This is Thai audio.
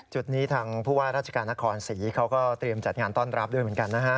จุดนี้ทางผู้ว่าราชการนครศรีเขาก็เตรียมจัดงานต้อนรับด้วยเหมือนกันนะฮะ